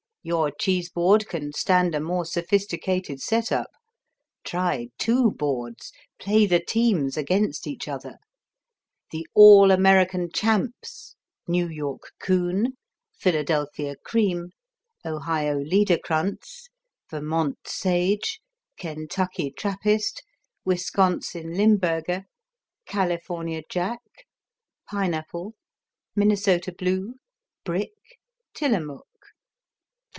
Your cheese board can stand a more sophisticated setup. Try two boards; play the teams against each other. The All American Champs NEW YORK COON PHILADELPHIA CREAM OHIO LIEDERKRANZ VERMONT SAGE KENTUCKY TRAPPIST WISCONSIN LIMBURGER CALIFORNIA JACK PINEAPPLE MINNESOTA BLUE BRICK TILLAMOOK VS.